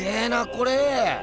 これ。